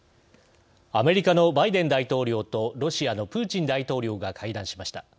アメリカのバイデン大統領とロシアのプーチン大統領が会談しました。